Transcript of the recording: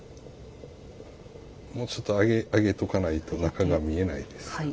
もうちょっと上げておかないと中が見えないです。